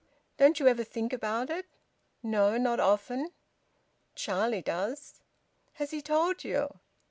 "Don't you ever think about it?" "No. Not often." "Charlie does." "Has he told you?"